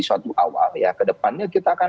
suatu awal ya ke depannya kita akan